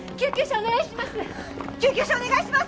お願いします。